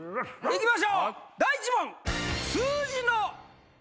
・行きましょう第１問！